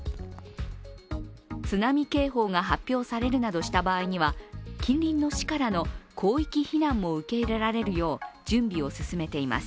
津波警報が発表されるなどした場合には、近隣の市からの広域避難も受け入れられるよう準備を進めています。